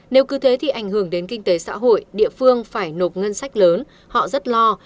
nếu cứ thế thì ảnh hưởng đến kinh tế xã hội địa phương phải nộp ngân sách lớn họ rất lo